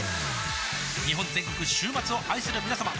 日本全国週末を愛するみなさま